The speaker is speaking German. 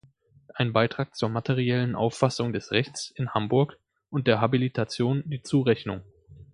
Ein Beitrag zur materiellen Auffassung des Rechts") in Hamburg und der Habilitation ("Die Zurechnung.